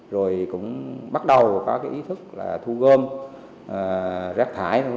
rồi cũng bắt đầu có ý thức thu gom rác thải